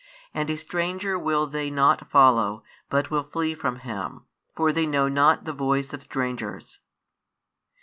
And a stranger will they not follow, but will flee from him: for they know not the voice of strangers.